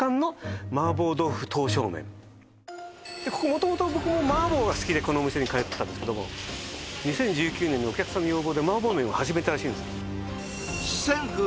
元々ここの麻婆が好きでこのお店に通ってたんですけども２０１９年にお客さんの要望で麻婆麺を始めたらしいんです四川風